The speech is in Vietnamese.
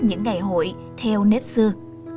những ngày hội theo nếp xưa